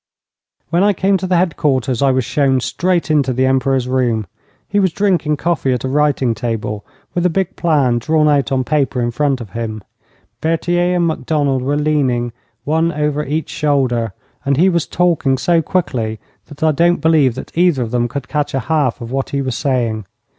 When I came to the headquarters I was shown straight into the Emperor's room. He was drinking coffee at a writing table, with a big plan drawn out on paper in front of him. Berthier and Macdonald were leaning, one over each shoulder, and he was talking so quickly that I don't believe that either of them could catch a half of what he was saying.